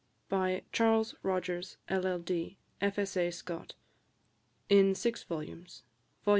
BY CHARLES ROGERS, LL.D. F.S.A. SCOT. IN SIX VOLUMES; VOL.